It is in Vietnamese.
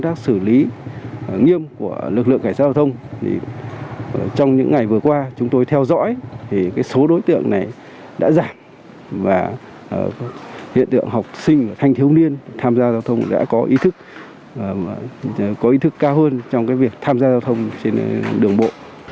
trong những ngày vừa qua chúng tôi theo dõi thì số đối tượng này đã giảm và hiện tượng học sinh thanh thiếu niên tham gia giao thông đã có ý thức cao hơn trong việc tham gia giao thông trên đường bộ